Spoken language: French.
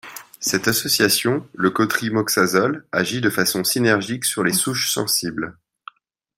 Cette association, le cotrimoxazole, agit de façon synergique sur les souches sensibles.